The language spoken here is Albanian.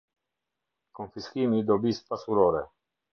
Konfiskimi i dobisë pasurore.